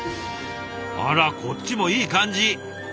あらこっちもいい感じ！